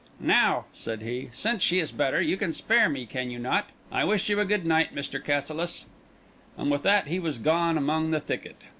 "Now," said he, "since she is better, you can spare me, can you not? I wish you a good night, Mr. Cassilis." And with that he was gone among the thicket.